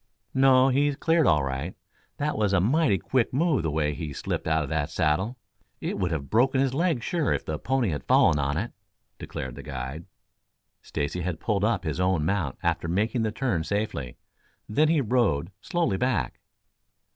"No; he's cleared all right. That was a mighty quick move the way he slipped out of that saddle. It would have broken his leg sure, if the pony had fallen on it," declared the guide. Stacy had pulled up his own mount after making the turn safely. Then he rode slowly back.